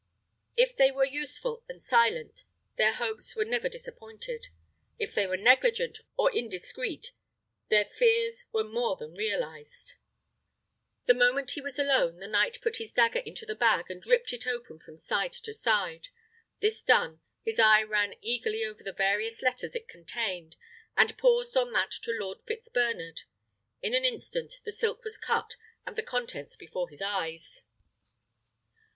If they were useful and silent, their hopes were never disappointed; if they were negligent or indiscreet, their fears were more than realised. The moment he was alone, the knight put his dagger into the bag, and ripped it open from side to side. This done, his eye ran eagerly over the various letters it contained, and paused on that to Lord Fitzbernard. In an instant the silk was cut, and the contents before his eyes.